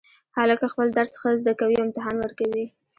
هلک خپل درس ښه زده کوي او امتحان ورکوي